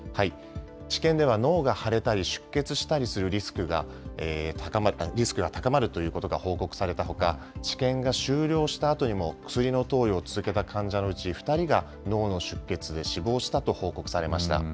治験では脳が腫れたり出血したりするリスクが高まるということが報告されたほか、治験が終了したあとにも、薬の投与を続けた患者のうち、２人が脳の出血で死亡したと報告されました。